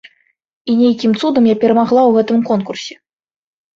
І нейкім цудам я перамагла ў гэтым конкурсе.